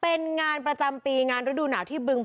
เป็นงานประจำปีงานฤดูหนาวที่บึง